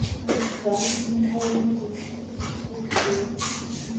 Zenkairen disputes this.